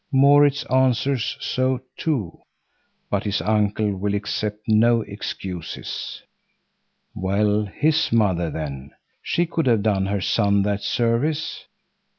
Maurits answers so too, but his uncle will accept no excuses.—Well, his mother, then; she could have done her son that service.